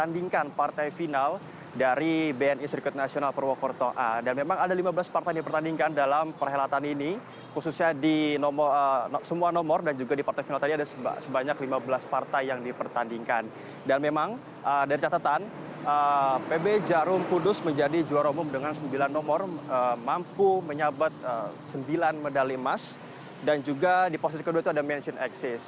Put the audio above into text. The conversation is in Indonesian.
dan memang dari catatan pb jarum kudus menjadi juara umum dengan sembilan nomor mampu menyabat sembilan medali emas dan juga di posisi kedua itu ada mention axis